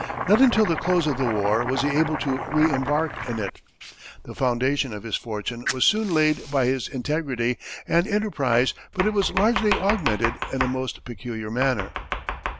Not until the close of the war was he able to re embark in it. The foundation of his fortune was soon laid by his integrity and enterprise, but it was largely augmented in a most peculiar manner.